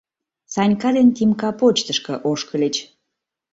Санька ден Тимка почтышко ошкыльыч.